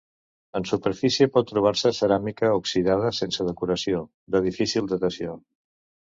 En superfície pot trobar-se ceràmica oxidada sense decoració, de difícil datació.